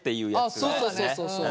あっそうそうそうそう。